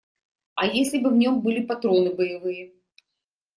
А если бы в нем были патроны боевые?